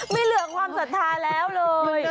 ไม่เหลือความศรัทธาแล้วเลย